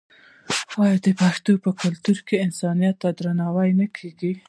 آیا د پښتنو په کلتور کې انسانیت ته درناوی نه کیږي؟